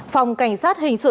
phòng cảnh sát hình thức